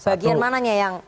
bagian mananya yang